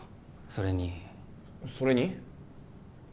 それにそれに？